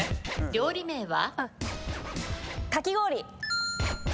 料理名は？